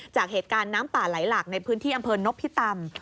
จากเหตุการณ์น้ำป่าไหลหลากในพื้นที่อำเภอนพิตำ